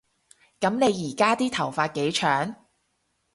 噉你而家啲頭髮幾長